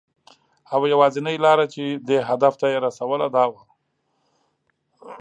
او یوازېنۍ لاره چې دې هدف ته یې رسوله، دا وه .